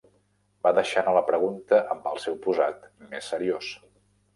Va deixar anar la pregunta amb el seu posat més seriós.